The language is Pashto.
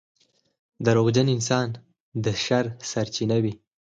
• دروغجن انسان د شر سرچینه وي.